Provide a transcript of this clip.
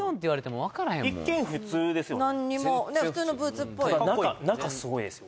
もん一見普通ですよ